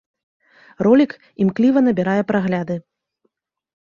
Ролік імкліва набірае прагляды.